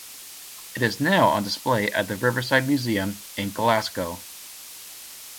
It is now on display at the Riverside Museum in Glasgow.